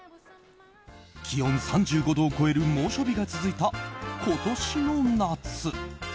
気温３５度を超える猛暑日が続いた今年の夏。